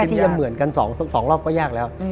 ทีละเหมือนกัน๒รอบก็ยากแล้ว